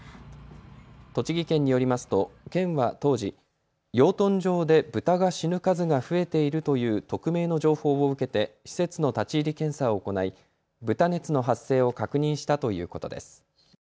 栃木県によりますと県は当時、養豚場でブタが死ぬ数が増えているという匿名の情報を受けて施設の立ち入り検査を行い豚熱の発生を確認したということです。